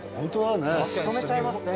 足止めちゃいますね